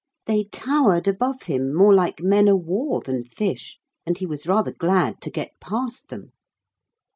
They towered above him more like men o' war than fish, and he was rather glad to get past them.